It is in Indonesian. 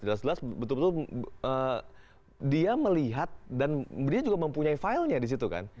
di situ betul betul dia melihat dan dia juga mempunyai filenya di situ kan